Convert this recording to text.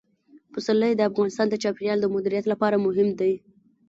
پسرلی د افغانستان د چاپیریال د مدیریت لپاره مهم دي.